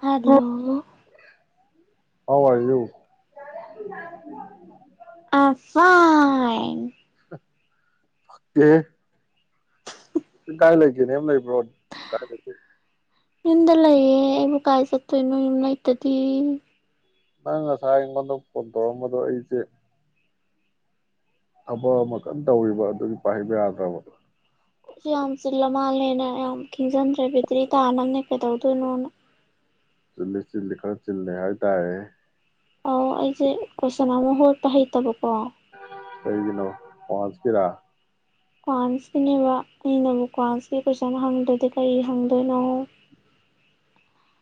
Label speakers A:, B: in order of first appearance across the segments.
A: hello
B: how are you
A: am ꯐꯥꯏꯟ
B: [unintelligible] ꯅꯪ ꯀꯥꯏ ꯂꯩꯒꯦꯅꯦ ꯅꯌꯨꯝ ꯂꯩꯕ꯭ꯔꯣ ꯀꯥꯏ ꯂꯩꯒꯦ
A: ꯌꯨꯝꯗ ꯂꯩꯌꯦ ꯑꯩꯕꯨ ꯀꯥꯏ ꯆꯠꯇꯣꯏꯅꯣ ꯌꯨꯝ ꯂꯩꯇꯗꯤ
B: ꯅꯪ ꯉꯁꯥꯏ ꯑꯩꯉꯣꯟꯗ ꯐꯣꯟ ꯇꯧꯔꯛꯑꯝꯕꯗꯣ ꯑꯩꯁꯦ ꯊꯕꯛ ꯑꯃ ꯀꯟꯅ ꯇꯧꯔꯤꯕ ꯑꯗꯨꯒꯤ ꯄꯥꯏꯕ ꯌꯥꯗ꯭ꯔꯕ
A: ꯌꯥꯝ ꯆꯤꯜꯂ ꯃꯥꯜꯂꯦꯅ ꯌꯥꯝ ꯈꯤꯟꯗ꯭ꯔꯦ ꯕꯦꯇ꯭ꯔꯤ ꯇꯥꯅꯕꯅꯦ ꯀꯩꯗꯧꯗꯣꯏꯅꯣꯅ
B: ꯆꯤꯜꯂꯤ ꯆꯤꯜꯂꯤ ꯈꯔ ꯆꯤꯜꯂꯦ ꯍꯥꯏ ꯇꯥꯔꯦ
A: ꯑꯧ ꯑꯩꯁꯦ ꯀꯣꯏꯁꯅ ꯑꯃ ꯍꯣꯠꯄ ꯍꯩ ꯇꯕꯛ
B: ꯀꯩꯒꯤꯅꯣ ꯄꯥꯎꯟꯁ ꯀꯤꯔ
A: ꯀ꯭ꯋꯥꯟꯁꯀꯤꯅꯦꯕ ꯑꯩꯅꯕꯨ ꯀ꯭ꯋꯥꯟꯁꯀꯤ ꯀꯣꯏꯁꯟ ꯍꯪꯗ꯭ꯔꯗꯤ ꯀꯔꯤ ꯍꯪꯗꯣꯏꯅꯣ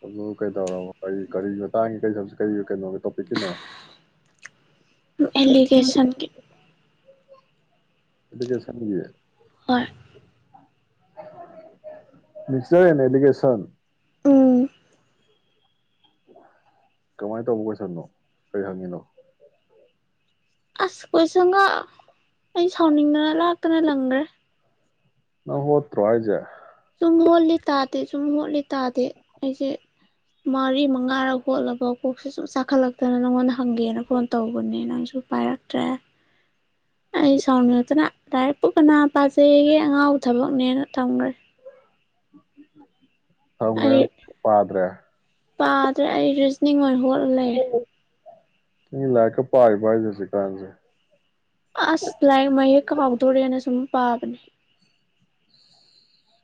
B: ꯑꯗꯨ ꯀꯩꯗꯧꯔꯕ ꯀꯔꯤ ꯀꯔꯤ ꯃꯇꯥꯡꯒꯤ ꯀꯔꯤ ꯀꯔꯤ ꯀꯩꯅꯣꯒꯤ ꯇꯣꯄꯤꯛꯀꯤꯅꯣ
A: ꯑꯦꯂꯤꯒꯦꯁꯟꯒꯤ
B: ꯑꯦꯂꯤꯒꯦꯁꯟꯒꯤ
A: ꯍꯣꯏ
B: ꯃꯤꯛꯆꯔ ꯑꯦꯟꯗ ꯑꯦꯂꯤꯒꯦꯁꯟ
A: ꯎꯝ
B: ꯀꯃꯥꯏꯅ ꯇꯧꯕ ꯀꯣꯏꯁꯟꯅꯣ ꯀꯔꯤ ꯍꯪꯉꯤꯅꯣ
A: ꯑꯁ ꯀꯣꯏꯁꯪꯒ ꯑꯩ ꯁꯥꯎꯅꯤꯡꯗꯅ ꯂꯥꯛꯇꯅ ꯂꯪꯒ꯭ꯔꯦ
B: ꯅꯪ ꯍꯣꯠꯇ꯭ꯔꯣ ꯍꯥꯏꯖꯦ
A: ꯁꯨꯝ ꯍꯣꯠꯂꯤ ꯇꯥꯗꯦ ꯁꯨꯝ ꯍꯣꯠꯂꯤ ꯇꯥꯗꯦ ꯑꯩꯁꯦ ꯃꯔꯤ ꯃꯉꯥꯔꯛ ꯍꯣꯠꯂꯕꯥꯎ ꯀꯣꯛꯁꯦ ꯁꯨꯝ ꯆꯥꯛꯈꯠꯂꯛꯇꯅ ꯅꯪꯉꯣꯟꯗ ꯍꯪꯒꯦꯅ ꯐꯣꯟ ꯇꯧꯕꯅꯦ ꯅꯪꯁꯨ ꯄꯥꯏꯔꯛꯇ꯭ꯔꯦ ꯑꯩ ꯁꯥꯎꯅꯤꯡꯉꯛꯇꯅ ꯂꯥꯏꯔꯤꯛꯄꯨ ꯀꯅꯥ ꯄꯥꯖꯩꯒꯦ ꯑꯉꯥꯎ ꯊꯕꯛꯅꯦꯅ ꯊꯝꯒ꯭ꯔꯦ
B: [inaudible]
A: ꯑꯩ
B: ꯄꯥꯗ꯭ꯔꯦ
A: ꯄꯥꯗ꯭ꯔꯦ ꯑꯩꯁꯨ ꯅꯤꯡ ꯑꯣꯏꯅ ꯍꯣꯠꯂ ꯂꯩꯔꯦ
B: ꯃꯤ ꯂꯥꯏꯔꯤꯛꯀ ꯄꯥꯔꯤꯕꯣ ꯍꯥꯏꯁꯦ ꯍꯧꯖꯤꯛꯀꯥꯟꯁꯦ
A: ꯄꯥꯕꯅꯤ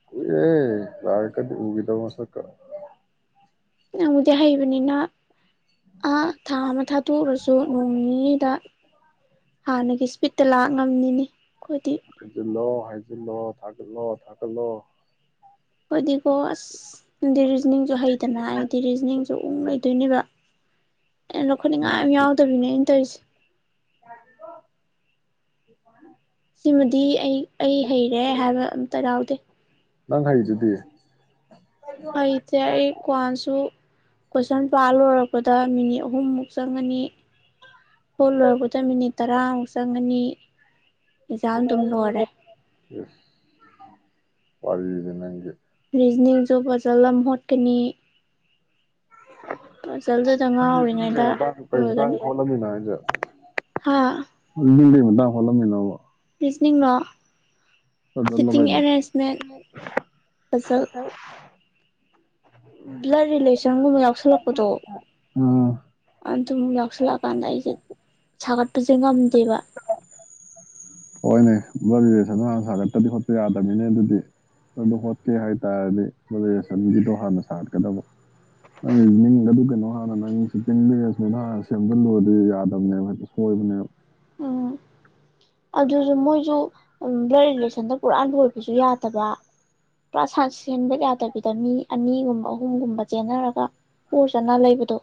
B: ꯀꯨꯏꯔꯦ ꯂꯥꯏꯔꯤꯛ ꯀꯗꯤ ꯎꯒꯤꯗꯕ ꯃꯁꯛꯀ
A: ꯅꯪꯕꯨꯗꯤ ꯍꯩꯕꯅꯤꯅ ꯑꯥ ꯊꯥ ꯑꯃ ꯊꯥꯗꯣꯛꯎꯔꯁꯨ ꯅꯣꯡ ꯅꯤꯅꯤꯗ ꯍꯥꯟꯅꯒꯤ ꯏꯁꯄꯤꯠꯇ ꯂꯥꯛ ꯉꯝꯅꯤꯅꯤ ꯑꯩꯈꯣꯏꯗꯤ
B: ꯐꯥꯏꯖꯂꯣ ꯊꯂꯣ ꯊꯂꯣ
A: ꯑꯗꯨ ꯑꯣ ꯑꯁꯗꯤ ꯔꯤꯖꯅꯤꯡꯁꯨ ꯍꯩꯗꯅ ꯑꯩꯗꯤ ꯔꯤꯖꯅꯤꯡꯁꯨ ꯎꯛ ꯂꯩꯗꯣꯏꯅꯦꯕ ꯑꯩꯅ ꯂꯧꯈꯠꯅꯤꯡꯉꯥꯏ ꯌꯥꯝ ꯌꯥꯎꯗꯕꯤꯅꯦ ꯑꯩꯅ ꯇꯧꯔꯤꯁꯦ
B: ꯌꯥꯗꯤꯕ‌ꯣ
A: ꯁꯤꯃꯗꯤ ꯑꯩ ꯑꯩ ꯍꯩꯔꯦ ꯍꯥꯏꯕ ꯑꯝꯇ ꯌꯥꯎꯗꯦ
B: ꯅꯪ ꯍꯥꯏꯩꯗꯨꯗꯤ
A: ꯍꯩꯇꯦ ꯑꯩ ꯀ꯭ꯋꯥꯁꯨ ꯀꯣꯏꯁꯟꯄꯥꯥ ꯂꯣꯏꯔꯛꯄꯗ ꯃꯤꯅꯤꯠ ꯑꯍꯨꯝꯃꯨꯛ ꯆꯪꯒꯅꯤ ꯐꯣꯠ ꯂꯣꯏꯔꯛꯄꯗ ꯃꯤꯅꯤꯠ ꯇꯔꯥꯃꯨꯛ ꯆꯪꯒꯅꯤ ꯑꯦꯖꯥ ꯑꯗꯨꯝ ꯂꯣꯏꯔꯦ
B: ꯏꯁ ꯋꯥꯔꯤꯗꯤ ꯅꯪ
A: ꯕꯤꯅꯦ ꯖꯣꯕ ꯐꯖꯂꯝ ꯍꯣꯠꯀꯅꯤ ꯄꯖꯜꯗꯨꯗ ꯉꯥꯎꯔꯤꯉꯩꯗ
B: ꯀꯔꯤ ꯇꯥꯡ
A: ꯂꯣꯏꯒꯅꯤ
B: ꯈꯣꯠꯂꯝꯅꯤꯅ ꯍꯥꯏꯁꯦ
A: ꯍꯥ
B: [unintelligible]
A: ꯄꯁꯤꯡꯅꯤꯡꯅꯣ
B: ꯑꯗꯨꯅ
A: ꯄꯖꯜ ꯕ꯭ꯂꯠ ꯔꯤꯂꯦꯁꯟꯒꯨꯝꯕ ꯌꯥꯎꯁꯜꯂꯛꯄꯗꯣ
B: ꯑꯥ
A: ꯑꯗꯨꯝ ꯌꯥꯎꯁꯜꯂꯛꯑꯀꯥꯟꯗ ꯑꯩꯁꯦ ꯁꯥꯒꯠꯄꯁꯦ ꯉꯝꯗꯦꯕ
B: ꯍꯣꯏꯅꯦ ꯕ ꯔꯦꯁꯟꯗ ꯍꯥꯟꯅ ꯁꯥꯒꯠꯇꯄ꯭ꯔꯗꯤ ꯍꯣꯠꯄ ꯌꯥꯗꯃꯤꯅꯦ ꯑꯗꯨꯗꯤ ꯑꯗꯨꯗꯣ ꯍꯣꯠꯀꯦ ꯍꯥꯏ ꯇꯔꯗꯤ ꯕꯔꯤꯦꯁꯟꯒꯤꯗꯣ ꯍꯥꯟꯅ ꯁꯥꯒꯠꯀꯗꯕ ꯅꯪ ꯅꯤꯡꯒꯗ ꯀꯩꯅꯣ ꯍꯥꯟꯅ ꯅꯪꯤꯡꯁꯗ ꯍꯥꯟꯅ ꯁꯦꯝꯖꯤꯜꯂꯨꯔꯗꯤ ꯌꯥꯗꯕꯅꯦꯕꯛꯇ ꯁꯣꯏꯕꯅꯦꯕ
A: ꯎꯝ ꯑꯗꯨꯁꯨ ꯃꯣꯏꯁꯨ ꯕ꯭ꯂꯠ ꯔꯤꯂꯦꯁꯟꯗ ꯄꯨꯔꯥ ꯂꯣꯏꯕꯁꯨ ꯌꯥꯗꯕ ꯄꯁꯁꯤ ꯆꯦꯟꯕ ꯌꯥꯗꯕꯤꯗ ꯃꯤ ꯑꯅꯤꯒꯨꯝꯕ ꯑꯍꯨꯝꯒꯨꯝꯕ ꯆꯦꯟꯅꯔꯒ ꯄ ꯆꯅ ꯂꯩꯕꯗꯣ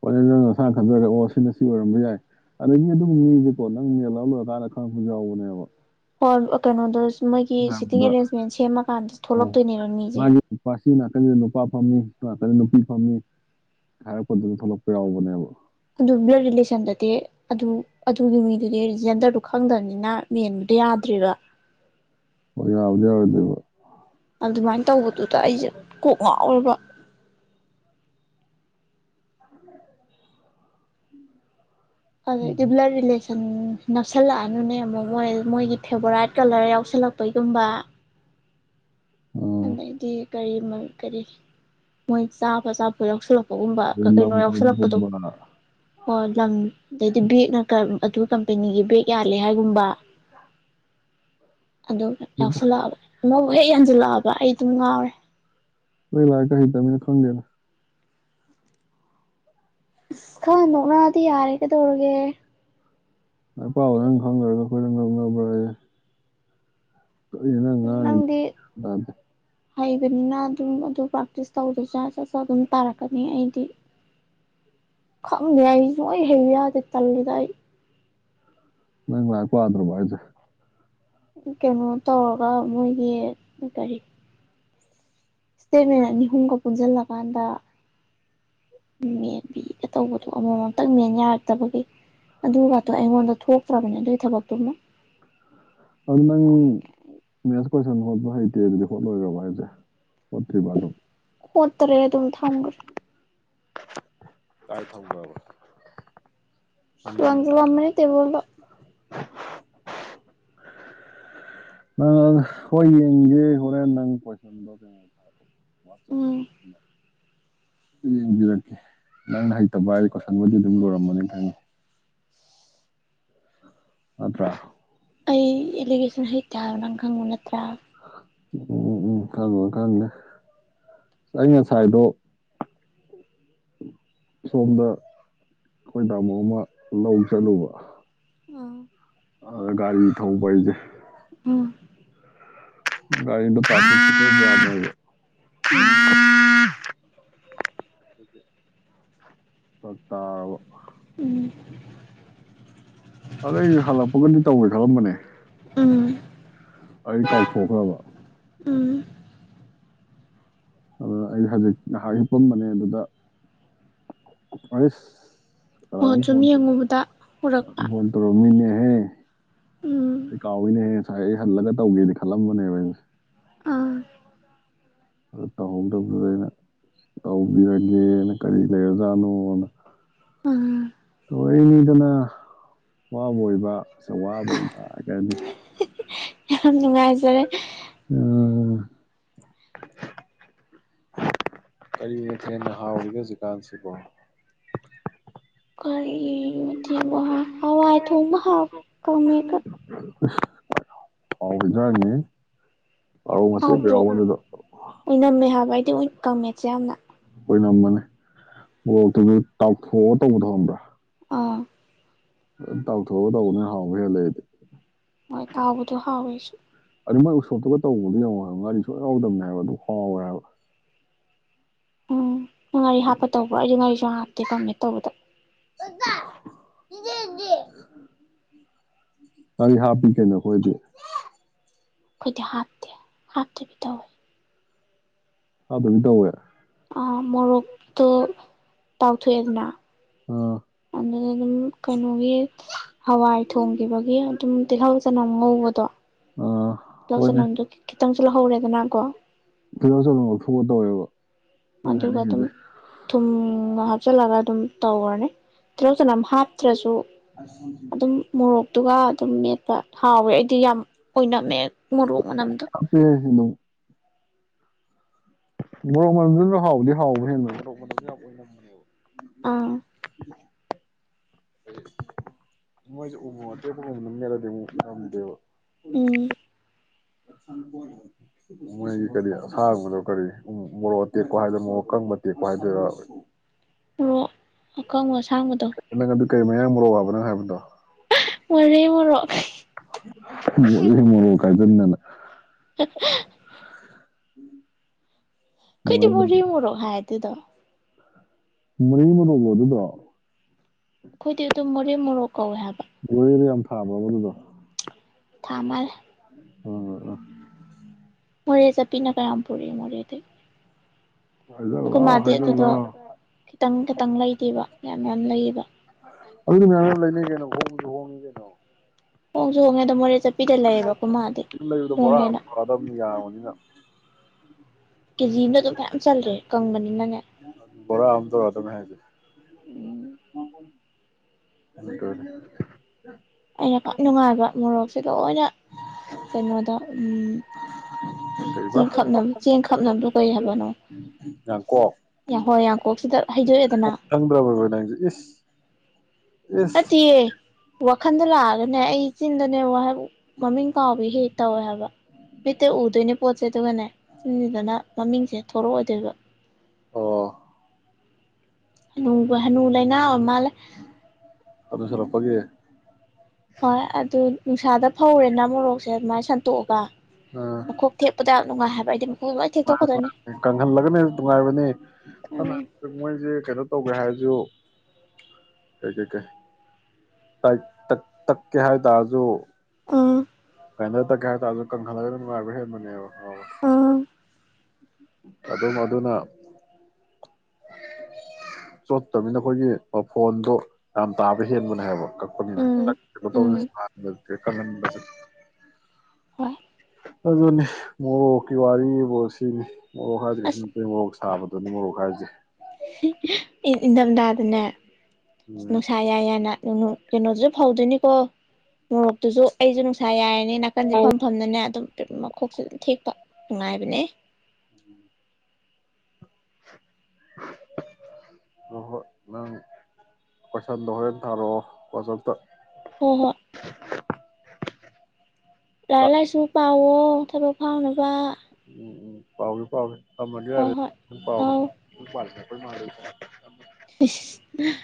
B: ꯍꯣꯏ ꯅꯪ ꯅꯁꯥ ꯈꯟꯖꯔꯦ ꯑꯣ ꯁꯤꯅ ꯁꯤ ꯑꯣꯏꯔꯝꯕ ꯌꯥꯏ ꯑꯗꯒꯤ ꯑꯗꯨꯝ ꯃꯤꯁꯦꯀꯣ ꯅꯪ ꯃꯦꯜꯍ ꯂꯣꯏꯔꯀꯥꯟꯗ ꯈꯪꯉꯛꯄꯁꯨ ꯌꯥꯎꯕꯅꯦꯕ
A: ꯍ ꯀꯩꯅꯣꯗ ꯃꯣꯏꯒꯤ ꯁꯤꯇꯤꯡ
B: ꯑꯗ
A: ꯑꯦꯔꯦꯟꯖꯃꯦꯟ ꯁꯦꯝꯃꯀꯥꯟꯗ
B: ꯑꯣ
A: ꯊꯣꯛꯂꯛꯇꯣꯏꯅꯦꯕ ꯃꯤꯁꯦ
B: ꯃꯥꯒꯤ ꯅꯨꯄꯥ ꯁꯤ ꯅꯥꯀꯟꯗ ꯅꯨꯄꯥ ꯐꯝꯃꯤ ꯁꯤ ꯅꯥꯀꯟꯗ ꯅꯨꯄꯤ ꯐꯝꯃꯤ ꯍꯥꯏꯔꯛꯄꯗꯨꯗ ꯊꯣꯛꯂꯛꯄ ꯌꯥꯎꯕꯅꯦꯕ
A: ꯑꯗꯨ ꯕ꯭ꯂꯗ ꯔꯤꯂꯦꯁꯟꯗꯗꯤ ꯑꯗꯨ ꯑꯗꯨꯒꯤ ꯃꯤꯗꯨꯗꯤꯖꯦꯟꯗꯔꯗꯨ ꯈꯪꯗꯕꯅꯤꯅ ꯃꯦꯟꯕꯗꯣ ꯌꯥꯗ꯭ꯦꯕ
B: ꯑꯩ ꯌꯥꯎꯗ ꯌꯥꯕꯗꯕ
A: ꯑꯗꯨꯃꯥꯏꯅ ꯇꯧꯕꯗꯨꯗ ꯑꯩꯁꯦ ꯀꯣꯛ ꯉꯥꯎꯔꯕ
B: ꯎ
A: ꯑ ꯗꯤꯕꯂꯥꯔ ꯂꯤꯔꯤꯂꯦꯁ ꯅꯛꯁꯜꯂꯑꯅꯨꯅꯦ ꯑꯃ ꯃꯣꯏ ꯃꯣꯏꯒꯤ ꯐꯦꯕꯣꯔꯥꯏꯠ ꯀꯂꯔ ꯌꯥꯎꯁꯜꯂꯛꯄꯩꯒꯨꯝꯕ
B: ꯑ
A: ꯑꯗꯩꯗꯤ ꯀꯔꯤ ꯀꯔꯤ ꯃꯣꯏ ꯆꯥꯕ ꯆꯥꯕ ꯌꯥꯎꯁꯤꯜꯂꯛꯄ ꯎꯝꯕ
B: ꯑꯗꯩ ꯂꯝ
A: ꯀꯩꯅꯣ ꯌꯥꯎꯁꯜꯂꯛꯄꯗꯣ
B: ꯀꯣꯏꯕꯒꯨꯝꯕ
A: ꯍꯣꯏ ꯂꯪ ꯑꯗꯩꯗꯤ ꯕꯦꯛꯅꯀ ꯑꯗꯨ ꯀꯝꯄꯦꯅꯤꯒꯤ ꯕꯦꯛ ꯌꯥꯜꯂꯦ ꯍꯥꯏꯒꯨꯝꯕ ꯑꯗꯨꯝ ꯌꯥꯎꯁꯜꯂꯛꯑꯕꯅꯦ ꯑꯅꯧꯕ ꯍꯦꯛ ꯌꯥꯟꯖꯜꯂꯛꯑꯕ ꯑꯩ ꯑꯗꯨꯝ ꯉꯥꯎꯔꯦ
B: ꯂꯥꯏꯔꯤꯛ ꯍꯩꯇꯝꯅꯤꯅ ꯈꯪꯗꯦꯗ
A: ꯑꯁ ꯈꯔ ꯅꯣꯛꯅꯔꯗꯤ ꯌꯥꯔꯦ ꯀꯩꯗꯧꯔꯒꯦ
B: ꯂꯥꯏꯔꯤꯛ ꯄꯥꯕ ꯅꯣꯏꯅ ꯈꯪꯗ꯭ꯔꯒ ꯑꯩꯈꯣꯏꯗ ꯅꯣꯛꯅꯕꯔꯌꯦ ꯀꯔꯤꯅꯣ ꯅꯪ ꯉꯥꯡꯏꯁꯤ
A: ꯅꯪꯗꯤ
B: ꯒ꯭ꯌꯥꯟ ꯇꯥꯗꯦ
A: ꯍꯩꯕꯅꯤꯅ ꯑꯗꯨꯝ ꯑꯗꯨ ꯄ꯭ꯔꯥꯛꯇꯤꯁ ꯇꯧꯗ꯭ꯔꯁꯨ ꯁꯠ ꯁꯠ ꯑꯗꯨꯝ ꯇꯥꯔꯛꯀꯅꯤ ꯑꯩꯗꯤ ꯈꯪꯗꯦ ꯑꯩꯁꯨ ꯁꯨꯛꯍꯩ ꯍꯩꯌꯨ ꯌꯥꯗꯦ ꯇꯟꯂꯤꯗ ꯑꯩ
B: ꯅꯪ ꯂꯥꯏꯔꯤꯛ ꯄꯥꯗ꯭ꯔꯕꯣ ꯍꯥꯏꯁꯦ
A: ꯀꯩꯅꯣ ꯇꯧꯔꯒ ꯃꯣꯏꯒꯤ ꯀꯔꯤ ꯏꯁꯇꯦꯠꯃꯦꯟ ꯑꯅꯤ ꯑꯍꯨꯝꯒ ꯄꯨꯟꯁꯤꯜꯂꯀꯥꯟꯗ ꯃꯦꯟꯕꯤꯒ ꯇꯧꯕꯗꯣ ꯑꯃꯃꯝꯇꯪ ꯃꯦꯟꯌꯥ ꯇꯕꯒꯤ ꯑꯗꯨꯒꯗꯣ ꯑꯩꯉꯣꯟꯗ ꯊꯣꯛ ꯊꯣꯛꯇꯔꯕꯅꯤ ꯑꯗꯨꯏ ꯊꯕꯛ ꯇꯨꯃ
B: ꯑꯗꯨ ꯅꯪ ꯐꯣꯏꯁꯟ ꯍꯣꯠꯄ ꯍꯩꯇꯦ ꯑꯗꯨꯗꯤ ꯍꯣꯠꯂꯣꯏꯒ꯭ꯔꯕ ꯍꯥꯏꯁꯦ ꯍꯣꯠꯇ꯭ꯔꯤꯕ ꯑꯗꯨꯝ
A: ꯍꯣꯠꯇ꯭ꯔꯦ ꯑꯗꯨꯝ ꯊꯝꯒ꯭ꯔꯦ
B: ꯀꯥꯏ ꯊꯝꯒ꯭ꯔꯕ
A: ꯇꯦꯕꯜꯗꯣ
B: ꯅꯪ ꯍꯣꯏ ꯌꯦꯡꯒꯦ ꯍꯣꯔꯦꯟ ꯅꯪ ꯀꯣꯏꯁꯟꯗꯣ ꯀꯩꯅꯣ ꯋꯥꯠꯆꯞ
A: ꯎꯝ
B: ꯌꯦꯡꯕꯤꯔꯛꯀꯦ ꯅꯪꯅ ꯍꯩꯇꯕ ꯍꯥꯏ ꯀꯣꯏꯁꯟꯕꯨꯗꯤ ꯑꯗꯨꯝ ꯂꯨꯔꯝꯃꯅꯤ ꯈꯪꯉꯦ ꯅꯠꯇ꯭ꯔꯥ
A: ꯑꯩ ꯑꯦꯂꯤꯒꯦꯁꯟ ꯍꯩꯇꯦ ꯍꯥꯏꯕ ꯅꯪ ꯈꯪꯕ ꯅꯠꯇ꯭ꯔꯥ
B: ꯎꯝ ꯎꯝ ꯈꯪꯅꯤ ꯈꯪꯅꯤ ꯑꯩ ꯉꯁꯥꯏꯗꯣ ꯁꯣꯝꯗ ꯑꯩꯈꯣꯏ ꯇꯥꯃꯣ ꯑꯃ ꯂꯧ ꯆꯠꯂꯨꯕ
A: ꯑ
B: ꯑ ꯒꯥꯔꯤ ꯊꯧꯕ ꯑꯩꯁꯦ
A: ꯎꯝ
B: ꯒꯥꯔꯤꯗꯨ ꯄꯔꯇꯤꯁꯤꯄꯦꯠ ꯌꯥꯗ꯭ꯔꯦ
A: ꯎꯝ
B: ꯐꯔꯛꯇꯥꯔꯕ
A: ꯎꯝ
B: ꯑꯗꯩꯗꯤ ꯍꯜꯂꯛꯄꯒꯅꯤ ꯇꯧꯔꯤ ꯔꯝꯕꯅꯦ
A: ꯎꯝ
B: ꯑꯩ ꯀꯥꯎꯊꯣꯛꯈ꯭ꯔꯕ
A: ꯎꯝ
B: ꯑꯗꯨ ꯑꯩ ꯍꯧꯖꯤꯛ ꯉꯥꯏꯍꯥꯛ ꯍꯤꯞꯄꯝꯕꯅꯦ ꯑꯗꯨꯗ ꯍꯩꯁ ꯀꯅꯥꯅꯣꯝ
A: ꯁꯨꯝ
B: ꯐꯣꯟ
A: ꯌꯦꯡꯉꯨꯕꯗ ꯎꯔꯛꯄ
B: ꯐꯣꯟ ꯇꯧꯔꯝꯃꯤꯅꯦ ꯎꯝ
A: ꯎꯝ
B: ꯑꯩ ꯀꯥꯎꯏꯅꯦꯍꯦ ꯁꯥꯏ ꯑꯩ ꯍꯟꯕꯗ ꯇꯧꯒꯦꯗꯤ ꯈꯜꯂꯝꯕꯅꯦꯕ [unintelligible]
A: ꯑꯥ
B: ꯑꯗꯨ ꯇꯧꯍꯧꯗꯕꯗꯨꯗ ꯑꯩꯅ ꯇꯧꯕꯤꯔꯒꯦꯅ ꯀꯔꯤ ꯂꯩꯔꯖꯥꯠꯅꯣꯅ
A: ꯎꯝ
B: ꯑꯣꯏꯅꯤꯗꯅ ꯋꯥꯕꯣꯏꯕ ꯁꯨꯝ ꯋꯥꯕꯣꯏꯕ ꯀꯩꯍꯥꯏꯅꯤ
A: ꯌꯥꯝ ꯅꯨꯡꯉꯥꯏꯖꯔꯦ
B: [unintelligible] ꯀꯔꯤ ꯃꯊꯦꯟꯅ ꯍꯥꯎꯔꯤꯒꯦ ꯍꯧꯖꯤꯛꯀꯥꯟꯁꯤꯕꯣ
A: ꯀꯔꯤ ꯃꯊꯦꯟꯕꯨ ꯍꯥꯎ ꯍꯋꯥꯏ ꯊꯣꯡꯕ ꯍꯥꯎ ꯀꯥꯡꯃꯦꯠꯀ
B: ꯑꯁ ꯍꯥꯎꯕ ꯏꯟꯖꯥꯡꯅꯤꯍꯦ
A: ꯍꯥꯎꯇ꯭ꯔꯣ ꯑꯣꯏꯅꯝꯃꯦ ꯍꯥꯏꯕ ꯑꯩꯗꯤ ꯑꯣꯏ ꯀꯥꯃꯦꯠꯁꯦ ꯌꯥꯝꯅ
B: ꯑꯣꯏꯅꯝꯕꯅꯦ ꯃꯣꯔꯣꯛꯇꯨꯗꯨ ꯇꯥꯎꯊꯣꯛꯑ ꯇꯧꯕꯗꯣ ꯈꯪꯕ꯭ꯔꯥ
A: ꯑꯥ
B: ꯇꯥꯎꯊꯣꯛꯑ ꯇꯧꯕꯗꯨꯅ ꯍꯥꯎꯕ ꯍꯦꯜꯂꯦ ꯑꯩꯗꯤ
A: ꯃꯣꯏ ꯇꯥꯥꯎꯕꯗꯣ ꯍꯥꯎꯋꯦ ꯑꯩꯁꯨ
B: ꯑꯗꯨ ꯃꯣꯏ ꯎꯁꯣꯞꯇꯒ ꯇꯧꯕꯗꯨ ꯃꯤꯅ [unintelligible] ꯉꯥꯔꯤ ꯁꯨꯛꯌꯥꯎ ꯌꯥꯎꯗꯝꯅꯦ ꯍꯥꯏꯕꯗꯨ ꯍꯥꯎꯋꯦꯍꯥꯏꯕ
A: ꯎꯝ ꯉꯥꯔꯤ ꯍꯥꯞꯄ ꯇꯧꯕ꯭ꯔꯣ ꯑꯩꯗꯤ ꯉꯥꯔꯤ ꯁꯨꯡꯍꯥꯞ ꯍꯥꯞꯇꯦ ꯀꯥꯡꯃꯦꯠ ꯇꯧꯕꯗ
B: ꯗꯇꯥ ꯆꯤꯆꯦꯗꯤ ꯉꯥꯔꯤ ꯍꯥꯞꯄꯤ ꯀꯩꯅꯣ ꯑꯩꯈꯣꯏꯗꯤ
A: ꯑꯩꯈꯣꯏꯗꯤ ꯍꯥꯞꯇꯦ ꯍꯥꯞꯇꯕꯤ ꯇꯧꯋꯦ
B: ꯍꯥꯞꯇꯕꯤ ꯇꯧꯋꯦ
A: ꯑ ꯃꯣꯔꯣꯛꯇꯣ ꯇꯥꯎꯊꯣꯛꯑꯦꯗꯅ
B: ꯑ
A: ꯑꯗꯨꯗ ꯑꯗꯨꯝ ꯀꯩꯅꯣꯒꯤ ꯍꯋꯥꯏ ꯊꯣꯡꯈꯤꯕꯒꯤ ꯑꯗꯨꯝ ꯇꯤꯜꯍꯧ ꯆꯅꯝ ꯉꯧꯕꯗꯣ
B: ꯑꯥ
A: ꯇꯤꯜꯍꯧ
B: ꯍꯣꯏꯅꯦ
A: ꯆꯅꯝꯗꯣ ꯈꯤꯇꯪꯁꯨ ꯂꯧꯍꯧꯔꯦꯗꯅ ꯀꯣ
B: ꯇꯤꯜꯍꯧ ꯆꯅꯝ ꯉꯧꯊꯣꯛꯑ ꯇꯧꯋꯦꯕ ꯅꯪ
A: ꯃꯗꯨꯒ ꯑꯗꯨꯝ
B: ꯍꯥꯏꯅꯤꯡꯉꯤꯁꯦ
A: ꯊꯨꯝꯒ ꯍꯥꯞꯆꯤꯜꯂꯒ ꯑꯗꯨꯝ ꯇꯧꯔꯅꯤ ꯇꯤꯜꯍꯧ ꯆꯅꯝ ꯍꯥꯞꯇ꯭ꯔꯁꯨ
B: [unintelligible]
A: ꯑꯗꯨꯒ ꯑꯗꯨꯝ ꯃꯦꯠ ꯗ ꯍꯥꯎꯋꯦ ꯑꯩꯗꯤ ꯌꯥꯝ ꯑꯣꯏꯅꯃꯦ ꯃꯣꯔꯣꯛ ꯃꯅꯝꯗꯣ
B: ꯍꯥꯞꯄꯦ ꯑꯗꯨꯝ ꯃꯣꯔꯣꯛ ꯃꯅꯝꯗꯨꯁꯨ ꯍꯥꯎꯕꯗꯤ ꯍꯥꯎꯕꯅꯤꯗꯨꯝ ꯃꯣꯔꯣꯛ ꯃꯅꯝꯗꯣ ꯌꯥꯝ ꯑꯣꯏꯅꯝꯕꯅꯦꯕ
A: ꯑꯥ
B: ꯃꯣꯏꯁꯨ ꯎꯃꯣꯔꯣꯛ ꯑꯇꯦꯛꯄꯒꯨꯝꯕꯅ ꯃꯦꯠꯂꯗꯤ ꯑꯃꯨꯛ ꯅꯝꯗꯦꯕ
A: ꯎꯝ
B: ꯃꯣꯏꯒꯤ ꯀꯔꯤ ꯑꯁꯥꯡꯕꯗꯣ ꯀꯔꯤ ꯃꯣꯔꯣꯛ ꯑꯇꯦꯛꯄ ꯍꯥꯏꯗꯅ ꯃꯣꯔꯣꯛ ꯀꯪꯕ ꯇꯦꯛꯄ ꯍꯥꯏꯗꯅ
A: ꯑꯣ ꯑꯀꯪꯕ ꯑꯁꯥꯡꯕꯗꯣ
B: ꯅꯪ ꯑꯗꯨ ꯀꯩꯃ ꯃꯌꯥꯝ ꯃꯣꯔꯣꯛ ꯋꯥꯕ ꯅꯪ ꯍꯥꯏꯕꯗꯣ
A: ꯃꯣꯔꯦ ꯃꯣꯔꯣꯛ
B: ꯀꯥꯏꯗ ꯅꯅ
A: [unintelligible]
B: ꯎꯝ
A: ꯈꯣꯏꯗꯤꯕꯨꯔꯤ ꯃꯣꯔꯣꯛ ꯍꯥꯏ ꯑꯗꯨꯗꯣ
B: ꯃꯨꯔꯤ ꯃꯣꯔꯣꯛꯂꯣ ꯑꯗꯨꯗꯣ
A: ꯑꯩꯈꯣꯏꯗꯤ ꯑꯗꯨꯝ ꯃꯣꯔꯦ ꯃꯣꯔꯣꯛ ꯀꯧꯋꯦ ꯍꯥꯏ
B: ꯃꯣꯔꯦꯗ ꯌꯥꯝ ꯊꯥꯕ꯭ꯔꯕ ꯑꯗꯨꯗꯣ
A: ꯊꯃꯂꯦ
B: ꯑꯣ ꯍ ꯑ
A: ꯃꯣꯔꯦ ꯆꯠꯄꯤꯅꯀ ꯌꯝ ꯄꯨꯔꯛꯑꯦ ꯃꯣꯔꯦꯗꯒꯤ
B: ꯍꯥꯏꯖꯜꯂꯣ
A: ꯑꯈꫭꯏ ꯃꯥꯗꯤ ꯑꯗꯨꯗꯣ
B: ꯍꯥꯏꯖꯜꯂꯣ
A: ꯈꯤꯇꯪ ꯈꯤꯇꯪ ꯂꯩꯗꯦꯕ ꯌꯥꯝ ꯌꯥꯝ ꯂꯩꯌꯦꯕ
B: ꯑꯗꯨꯗꯤ ꯃꯌꯥꯝ ꯑꯃ ꯂꯩꯅꯩ ꯀꯩꯅꯣ ꯍꯣꯡꯁꯨ ꯍꯣꯡꯉꯤ ꯀꯩꯅꯣ
A: ꯍꯣꯡꯁꯨ ꯍꯣꯡꯉꯦꯗ ꯃꯣꯔꯦ ꯆꯠꯄꯤꯗ ꯂꯩꯌꯦꯕ ꯑꯩꯈꯣꯏ ꯃꯥꯗꯤ
B: ꯂꯩꯕꯗꯣ
A: ꯍꯣꯡꯉꯦꯅ
B: ꯕꯣꯔꯥꯥꯗꯕꯅꯤ ꯌꯥꯕꯅꯤꯅ
A: ꯀꯦꯖꯤꯃꯅ ꯗꯨꯝ ꯃꯌꯥꯝ ꯆꯜꯂꯦ ꯀꯪꯕꯅꯤꯅ ꯅꯦ
B: ꯕꯣꯔꯥ ꯑꯃ ꯇꯧꯔꯛꯑꯗꯕꯅꯦ ꯍꯥꯏꯁꯦ
A: ꯎꯝ
B: [unintelligible]
A: ꯑꯩꯅꯀꯣ ꯅꯨꯡꯉꯥꯏꯕ ꯃꯣꯔꯣꯛ ꯂꯣꯏꯅ ꯀꯩꯅꯣꯗ ꯎꯝ
B: ꯀꯔꯤꯕ
A: ꯆꯦꯡ ꯈꯞꯅ ꯆꯦꯡ ꯈꯞꯅꯕꯗꯣ ꯀꯩ ꯍꯥꯏꯕꯅꯣ
B: ꯌꯥꯡꯀꯣꯛ
A: ꯌꯥꯡ ꯍꯣꯏ ꯌꯥꯡ ꯀꯣꯛꯁꯤꯗ ꯍꯩꯗꯣꯛꯑꯦꯗꯅ
B: ꯏꯁꯁ
A: ꯅꯠꯇꯤꯌꯦ ꯋꯥꯈꯟꯗ ꯂꯥꯛꯑꯒꯅꯦ ꯑꯩ ꯏꯆꯤꯟꯗꯅꯦ ꯋꯥꯍꯩ ꯃꯃꯤꯡ ꯀꯥꯎꯕꯤ ꯍꯦꯛ ꯍꯦꯛ ꯇꯧꯋꯦ ꯍꯥꯏꯕ ꯃꯤꯠꯇ ꯎꯗꯣꯏꯅꯦ ꯄꯣꯠ ꯁꯦ ꯑꯗꯨꯒꯅꯦ ꯆꯤꯟꯁꯤꯗꯅ ꯃꯃꯤꯡꯁꯦ ꯊꯣꯔꯛꯑꯣꯏꯗꯣꯏꯕ
B: ꯑꯣ
A: ꯨ ꯍꯅꯨꯕ ꯍꯅꯨ ꯂꯩꯅ ꯑꫭꯏꯔ ꯃꯥꯜꯂꯦ
B: ꯐꯒꯤ
A: ꯍꯣꯏ ꯑꯗꯨ ꯅꯨꯡꯁꯥꯗ ꯐꯧꯔꯦꯅ ꯃꯣꯔꯣꯛꯁꯦ ꯑꯗꯨꯃꯥꯏ ꯁꯟꯇꯣꯛꯑꯒ ꯃꯈꯣꯛ ꯊꯠꯄꯗ ꯅꯨꯡꯉ ꯍꯥꯏ ꯍꯥꯏꯕꯗꯤ
B: ꯃꯥꯅꯤ ꯃꯥꯅꯦ ꯀꯪꯍꯜꯂꯒꯅꯦ ꯅꯨꯡꯉꯥꯏꯕꯅꯦ
A: ꯎꯝ
B: ꯃꯣꯏꯁꯦ ꯀꯩꯅꯣ ꯇꯧꯒꯦ ꯍꯥꯏ ꯑꯗꯨꯣ ꯀꯩ ꯀꯩ ꯀꯩ ꯇ ꯇ ꯇꯛ ꯀ ꯍꯥꯏ ꯇꯥꯖꯣ
A: ꯎꯝ
B: ꯀꯥꯏꯩꯅꯔ ꯇꯛꯀꯦ ꯍꯥꯏ ꯇꯔꯁꯨ ꯀꯪꯈꯠꯂꯒ ꯅꯨꯡꯉꯥꯏꯕ ꯍꯦꯟꯕꯅꯦꯕ ꯑ
A: ꯎꯝ
B: ꯑꯗꯨꯝ ꯑꯗꯨꯅ ꯆꯣꯠꯇꯅꯤꯅ ꯑꯩꯈꯣꯏꯒꯤ ꯃꯐꯣꯟꯗꯣ ꯌꯥꯝ ꯇꯥꯕ ꯍꯦꯟꯕꯅꯦ ꯍꯥꯏꯕ [unintelligible]
A: ꯎꯝ ꯎꯝ ꯍꯣꯏ
B: [unintelligible] ꯑꯗꯨꯒꯅꯤ ꯃꯣꯛꯀꯤ ꯋꯥꯔꯤꯕꯣ ꯁꯤꯅꯤ
A: ꯑꯁ
B: ꯑꯣꯒꯅꯨꯡ ꯁꯥꯕꯗꯣꯅꯤꯉꯣꯔꯣꯛ ꯈ ꯍꯥꯏꯁꯦ
A: ꯏꯊꯝꯊꯥꯗꯅꯦ
B: ꯎꯝ
A: ꯅꯨꯡꯁꯥ ꯌꯥꯏ ꯌꯥꯅ ꯀꯩꯅꯣꯗꯨꯁꯨ ꯐꯧꯗꯣꯏꯅꯤ ꯀꯣ ꯃꯣꯔꯣꯛꯇꯨꯁꯨ ꯑꯩꯁꯨ ꯅꯨꯡꯁꯥ ꯌꯥꯏ ꯅꯥꯀꯟꯁꯦ ꯐꯝ ꯐꯝꯗꯨꯅꯦ ꯑꯗꯨꯝ ꯃꯈꯣꯛꯁꯦ ꯑꯗꯨꯝ ꯊꯦꯛꯄ ꯁꯅꯨꯡꯉꯥꯏ ꯄꯅꯦ
B: ꯅꯪ ꯄꯩꯁꯥ ꯍ ꯊꯥꯔꯛꯑꯣ ꯋꯥꯇ ꯋꯖꯞꯇ
A: ꯍꯣꯏ ꯍꯣꯏ ꯂꯂꯥꯏ ꯆꯨꯄ ꯄꯥꯎꯣ ꯊꯕꯛ ꯐꯥꯎꯅꯕ
B: ꯎꯝ ꯎꯝ ꯄꯥꯎ ꯄꯥꯎ ꯇꯃꯗꯤ
A: ꯍꯣꯏ
B: ꯑꯗꯨ
A: ꯍꯣꯏ
B: ꯄꯥꯎ
A: ꯑꯧ
B: ꯄ ꯃꯥ [unintelligible]
A: ꯏꯁꯠ